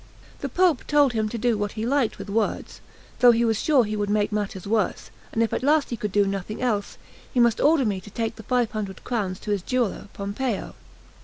The Pope told him to do what he liked with words, though he was sure he would make matters worse; and if at last he could do nothing else, he must order me to take the five hundred crowns to his jeweller, Pompeo.